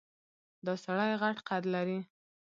دا سړی غټ قد لري.